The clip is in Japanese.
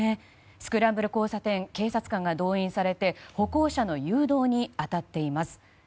スクランブル交差点警察官が動員されて歩行者の誘導に当たっています。